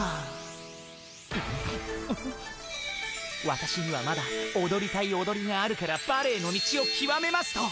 「わたしにはまだおどりたいおどりがあるからバレエの道をきわめます」と。